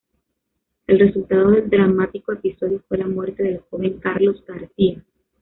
El resultado del dramático episodio fue la muerte del joven Carlos García.